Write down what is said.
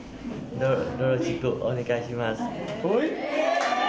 よろしくお願いします。